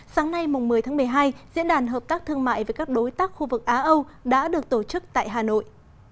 sáng nay một mươi tháng một mươi hai diễn đàn hợp tác thương mại với các đối tác khu vực á âu đã được tổ chức tại hà nội